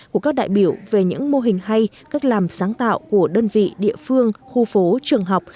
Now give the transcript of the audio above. của các đại biểu về những mô hình hay cách làm sáng tạo của đơn vị địa phương khu phố trường học